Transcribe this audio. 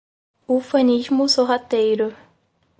Ufanismo sorrateiro